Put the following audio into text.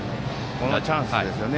このチャンスですね。